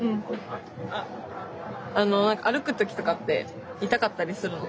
何か歩く時とかって痛かったりするの？